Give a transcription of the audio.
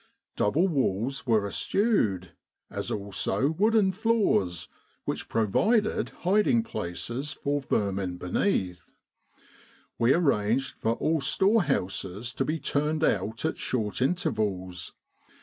Double walls were eschewed, as also wooden floors, which provided hiding places for vermin beneath. We arranged for all storehouses to be turned out at short intervals.